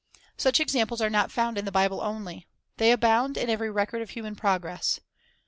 Such examples are not found in the Bible only. They abound in every record of human progress.